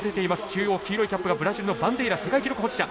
中央黄色いキャップがブラジルのバンデイラ世界記録保持者。